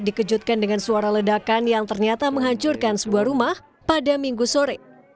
dikejutkan dengan suara ledakan yang ternyata menghancurkan sebuah rumah pada minggu sore